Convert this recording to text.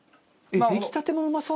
出来たてもうまそうだな。